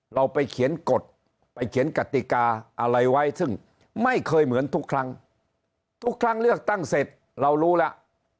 เราไปเขียนกฎไปเขียนกติกาอะไรไว้ซึ่งไม่เคยเหมือนทุกครั้งทุกครั้งเลือกตั้งเสร็จเรารู้แล้ว